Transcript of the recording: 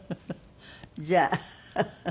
じゃあフフフフ。